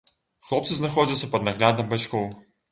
Хлопцы знаходзяцца пад наглядам бацькоў.